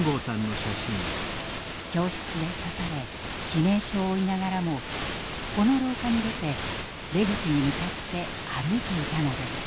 教室で刺され致命傷を負いながらもこの廊下に出て出口に向かって歩いていたのです。